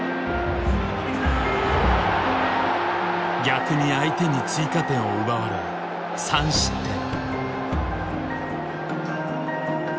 逆に相手に追加点を奪われ３失点。